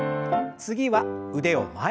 次は腕を前。